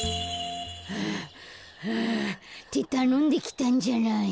はあはあってたのんできたんじゃない。